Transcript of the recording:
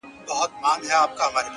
خوبيا هم ستا خبري پټي ساتي _